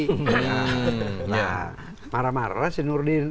nah marah marah sih nurdin